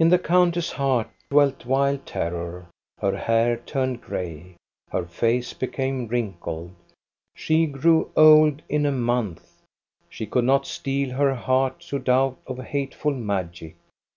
In the countess's heart dwelt wild terror. Her hair turned gray. Her face became wrinkled. She grew old in a month. She could not steel her heart to doubt of hateful magic.